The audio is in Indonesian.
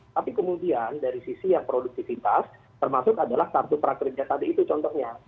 tapi kemudian dari sisi yang produktivitas termasuk adalah kartu prakerja tadi itu contohnya